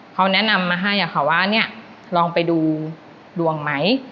เขาแนะนำมาให้ค่ะว่าเนี่ยลองไปดูดวงไหม